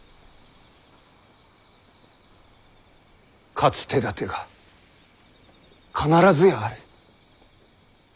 勝つ手だてが必ずやある。